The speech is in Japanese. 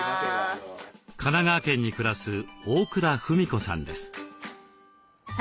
神奈川県に暮らす大倉芙美子さんです。